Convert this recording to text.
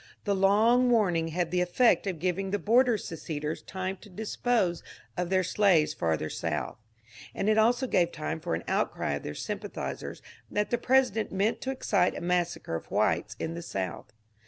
The long warning had the effect of giving the border seceders time to dispose of 370 MONCURE DANIEL OONWAY their slayes farther South, and it also gave time for an ontory of their sympathizerB that the President meant to excite a massacre of whites in the South.